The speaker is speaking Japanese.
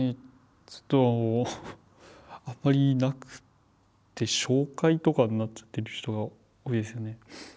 ちょっとあんまりなくって紹介とかになっちゃってる人が多いですね。